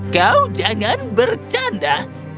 kau jangan bercanda